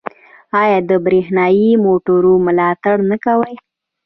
آیا د بریښنايي موټرو ملاتړ نه کوي؟